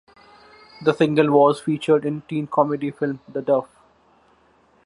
The single was featured in teen comedy film The Duff.